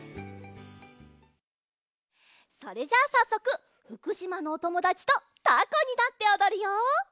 それじゃあさっそくふくしまのおともだちとタコになっておどるよ！